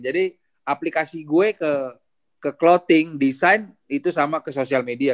jadi aplikasi gue ke clothing design itu sama ke social media